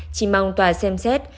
chỉ mong tòa xem xét